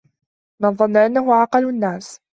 مَنْ ظَنَّ أَنَّهُ أَعْقَلُ النَّاسِ